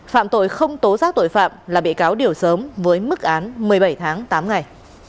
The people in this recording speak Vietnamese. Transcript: phạm tội không tố giác tội phạm là bị cáo điều sớm với mức án một mươi bảy tháng tám ngày